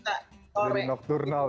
jadi nocturnal ya